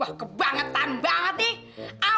wah kebangetan banget nih